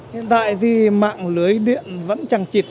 hiện tại thì mạng lưới điện vẫn chẳng chịt